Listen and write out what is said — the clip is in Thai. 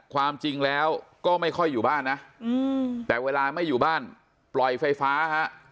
ความจริงแล้วก็ไม่ค่อยอยู่บ้านนะแต่เวลาไม่อยู่บ้านปล่อยไฟฟ้าฮะ